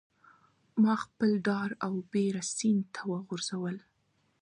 ماخپل ډار او بیره سیند ته وغورځول